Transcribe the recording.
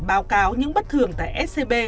báo cáo những bất thường tại scb